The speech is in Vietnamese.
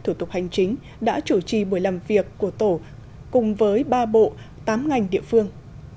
thủ tục hành chính đã chủ trì buổi làm việc của tổ cùng với ba bộ tám ngành địa phương